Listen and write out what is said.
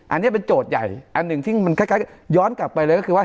อันนี้เป็นโจทย์ใหญ่อันหนึ่งที่มันคล้ายย้อนกลับไปเลยก็คือว่า